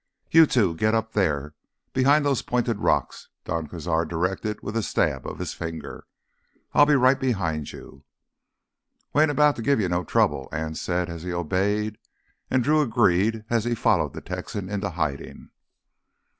"You two ... get up there, behind those pointed rocks," Don Cazar directed with a stab of his finger. "I'll be right behind you." "We ain't about to give you no trouble," Anse said as he obeyed, and Drew agreed as he followed the Texan into hiding.